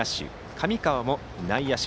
神川も内野手。